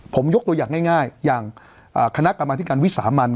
ผมยกตัวอย่างง่ายอย่างคณะกรรมธิการวิสามัน